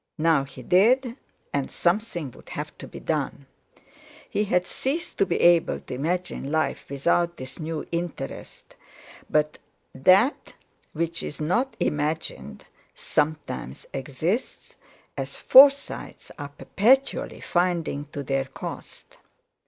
Now he did, and something would have to be done. He had ceased to be able to imagine life without this new interest, but that which is not imagined sometimes exists, as Forsytes are perpetually finding to their cost.